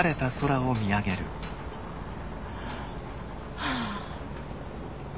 はあ。